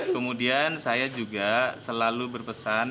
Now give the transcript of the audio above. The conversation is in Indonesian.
kemudian saya juga selalu berpesan